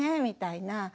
みたいな。